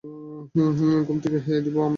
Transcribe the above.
ঘুম ছেড়ে দিব আমরা?